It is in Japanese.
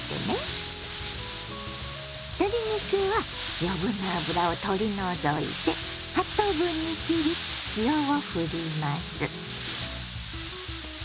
鶏肉は余分な脂を取り除いて８等分に切り塩をふります。